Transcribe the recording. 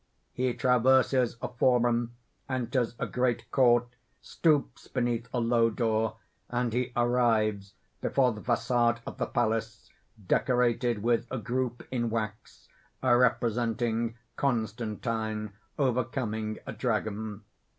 _He traverses a forum, enters a great court, stoops beneath a low door; and he arrives before the facade of the palace, decorated with a group in wax, representing Constantine overcoming a dragon.